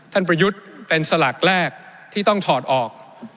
ประยุทธ์เป็นสลากแรกที่ต้องถอดออก